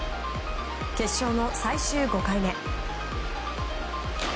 決勝の最終５回目。